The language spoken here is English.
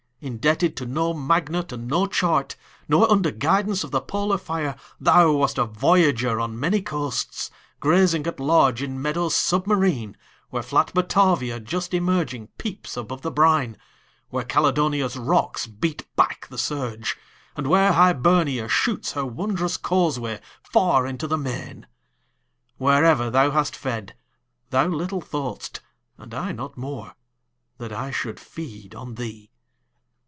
Indebted to no magnet and no chart, Nor under guidance of the polar fire, Thou wast a voyager on many coasts, Grazing at large in meadows submarine, Where flat Batavia just emerging peeps Above the brine, where Caledonia's rocks Beat back the surge, and where Hibernia shoots Her wondrous causeway far into the main. Wherever thou hast fed, thou little thought'st, And I not more, that I should feed on thee.